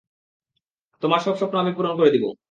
তোমার সব স্বপ্ন আমি পূরণ করে দিবো।